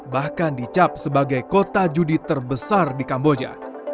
bahkan dicap sebagai kota judi terbesar di kamboja